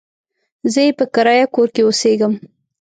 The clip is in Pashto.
زه يې په کرايه کور کې اوسېږم.